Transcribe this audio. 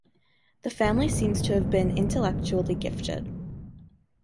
The family seems to have been intellectually gifted.